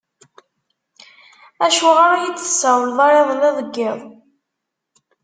Acuɣer ur yi-d-tessawleḍ ara iḍelli deg yiḍ?